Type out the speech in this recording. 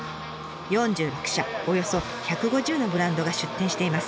４６社およそ１５０のブランドが出展しています。